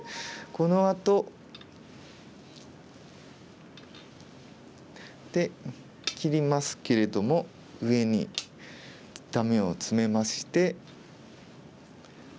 このあと。で切りますけれども上にダメをツメまして。